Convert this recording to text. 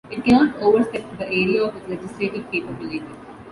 It cannot over-step the area of its legislative capability.